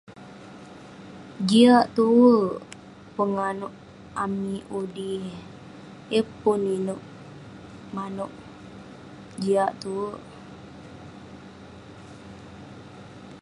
Jiak tue penganouk amik udi. Yeng pun inouk manouk, jiak tue.